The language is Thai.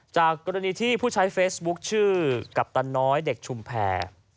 จากกรณีที่ผู้ใช้เฟซบุ๊คชื่อกัปตันน้อยเด็กชุมแพร